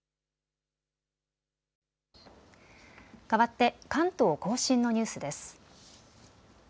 かわって関東甲信のニュースです。